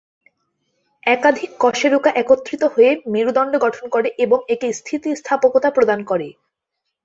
একাধিক কশেরুকা একত্রিত হয়ে মেরুদণ্ড গঠন করে এবং একে স্থিতিস্থাপকতা প্রদান করে।